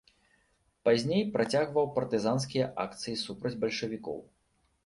Пазней працягваў партызанскія акцыі супраць бальшавікоў.